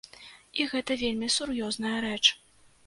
І гэта вельмі сур'ёзная рэч.